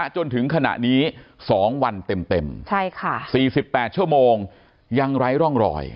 จนถึงขณะนี้๒วันเต็ม๔๘ชั่วโมงยังไร้ร่องรอย